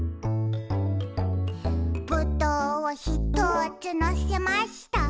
「ぶどうをひとつのせました」